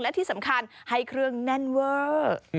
และที่สำคัญให้เครื่องแน่นเวอร์